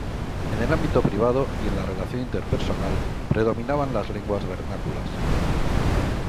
En el ámbito privado y en la relación interpersonal predominaban las lenguas vernáculas.